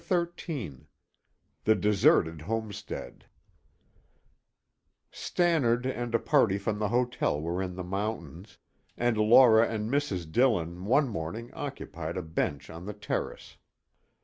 XIII THE DESERTED HOMESTEAD Stannard and a party from the hotel were in the mountains, and Laura and Mrs. Dillon one morning occupied a bench on the terrace.